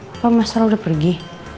apa mastro udah pergi